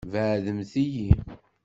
Beɛɛdemt-iyi!